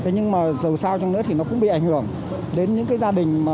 nhưng mà dầu sao trong nữa thì nó cũng bị ảnh hưởng đến những gia đình